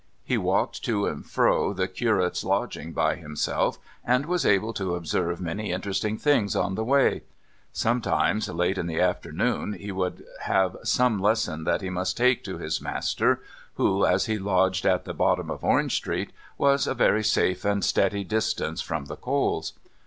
He walked to and fro the curate's lodging by himself, and was able to observe many interesting things on the way. Sometimes, late in the afternoon, he would have some lesson that he must take to his master who, as he lodged at the bottom of Orange Street, was a very safe and steady distance from the Coles.